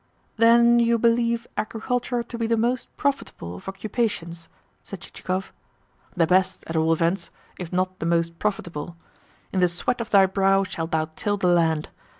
"Then you believe agriculture to be the most profitable of occupations?" said Chichikov. "The best, at all events if not the most profitable. 'In the sweat of thy brow shalt thou till the land.